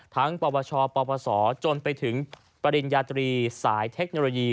ทั้งประวัชชอประวัติศาสตร์จนไปถึงปริญญาตรีสายเทคโนโลยี